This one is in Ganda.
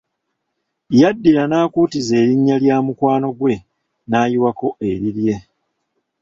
Yaddira n’akuutiza erinnya lya mukwano gwe naayiwako erirye.